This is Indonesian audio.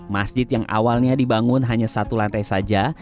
masjid yang awalnya dibangun hanya satu lantai saja